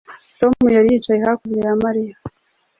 Tom yari yicaye hakurya ya Mariya